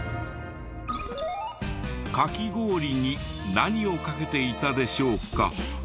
カキ氷に何をかけていたでしょうか？